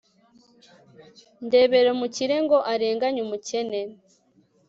ntabera umukire ngo arenganye umukene